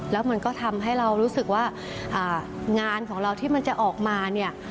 แล้วมันก็ทำให้เรารู้สึกว่างานของเราที่มันจะออกมาเนี่ย